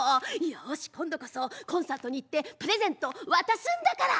よし今度こそコンサートに行ってプレゼント渡すんだから。